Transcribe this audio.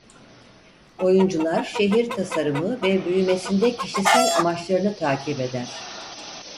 Oyuncular şehir tasarımı ve büyümesinde kişisel amaçlarını takip eder.